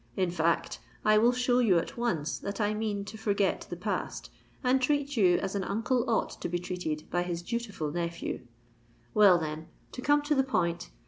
In fact, I will show you at once that I mean to forget the past, and treat you as an uncle ought to be treated by his dutiful nephew. "Well, then, to come to the point.